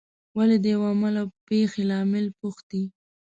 ولې د یوه عمل او پېښې لامل پوښتي.